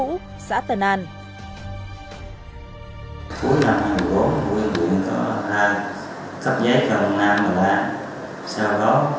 đã ra cấp giấy cho ông nam và nam